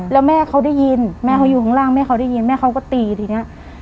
แล้วแม่เขาได้ยินแม่เขาอยู่ข้างล่างแม่เขาได้ยินแม่เขาก็ตีทีนี้